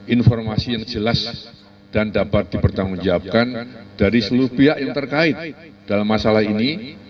informasi yang jelas dan dapat dipertanggungjawabkan dari seluruh pihak yang terkait dalam masalah ini